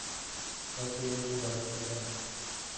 وایسا یه اتو برات بزنم